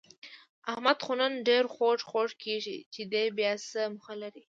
احمد خو نن ډېر خوږ خوږ کېږي، چې دی بیاڅه موخه لري؟